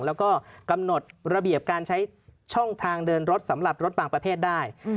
แล้วก็กำหนดระเบียบการใช้ช่องทางเดินรถสำหรับรถบางประเภทได้